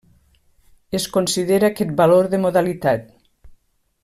Es considera aquest valor de modalitat.